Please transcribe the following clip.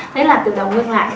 thế là từ đầu ngưng lại